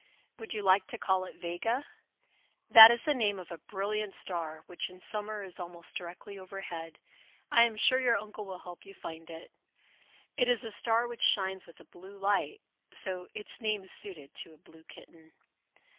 Would you like to call it Vega? That is the name of a brilliant star which in summer is almost directly overhead. I am sure your uncle will help you find it. It is a star which shines with a blue light, so its name is suited to a blue kitten."